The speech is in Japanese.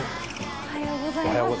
おはようございます。